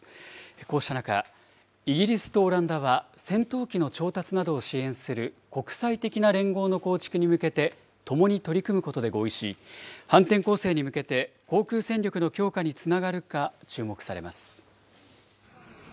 こうした中、イギリスとオランダは、戦闘機の調達などを支援する国際的な連合の構築に向けて、ともに取り組むことで合意し、反転攻勢に向けて航空戦力の強化につながるか注目されます。